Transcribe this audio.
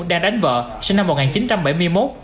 đang đánh vợ sinh năm một nghìn chín trăm bảy mươi một